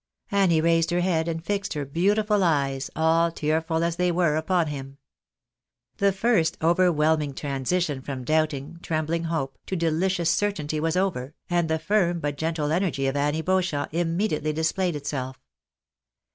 Annie raised her head, and fixed her beautiful eyes, all tearful as they were, upon him. The first overwhelming transition from doubting, trembling hope, to delicious certainty was over, and the firm but gentle energy of Annie Beauchamp, immediately displayed itself.